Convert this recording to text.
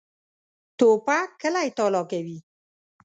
توپک کلی تالا کوي.